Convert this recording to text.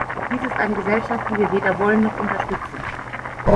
Dies ist eine Gesellschaft, die wir weder wollen noch unterstützen.